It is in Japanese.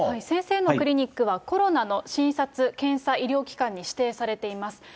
先生のクリニックは、コロナの診察、検査医療機関に指定されています。